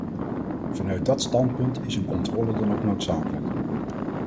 Vanuit dat standpunt is een controle dan ook noodzakelijk.